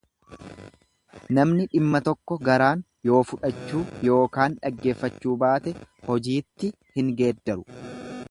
Namni dhimma tokko garaan yoo fudhachuu ykn dhaggeeffachuu baate hojiitti hin geeddaru.